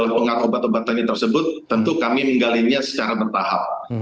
kalau pengaku obat obatan ini tersebut tentu kami menggalinnya secara bertahap